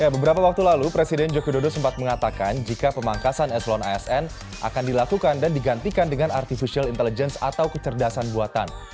beberapa waktu lalu presiden joko dodo sempat mengatakan jika pemangkasan eselon asn akan dilakukan dan digantikan dengan artificial intelligence atau kecerdasan buatan